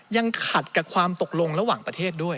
ยังขัดกับความตกลงระหว่างประเทศด้วย